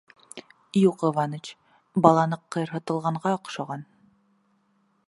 — Юҡ, Иваныч, бала ныҡ ҡыйырһытылғанға оҡшаған.